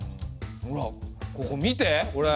ほらここ見てこれ。